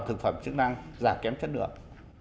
và thực phẩm chức năng giả kém chất lượng